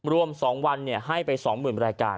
รวม๒วันให้ไป๒๐๐๐รายการ